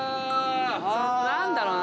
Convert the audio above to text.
何だろうな？